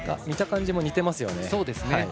見た感じも似てますよね。